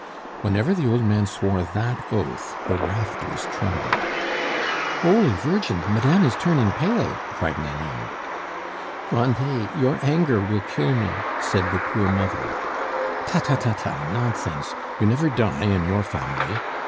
Whenever the old man swore that oath the rafters trembled. "Holy Virgin! Madame is turning pale," cried Nanon. "Grandet, your anger will kill me," said the poor mother. "Ta, ta, ta, ta! nonsense; you never die in your family!